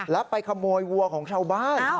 แล้วไปขโมยวัวของชาวบ้าน